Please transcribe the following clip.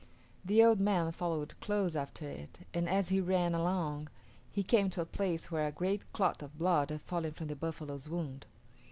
The old man followed close after it, and as he ran along he came to a place where a great clot of blood had fallen from the buffalo's wound.